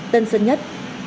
tân sơn nhất